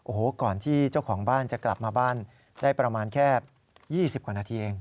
โอ้โหก่อนที่เจ้าของบ้านจะกลับมาบ้านได้ประมาณแค่๒๐กว่านาทีเอง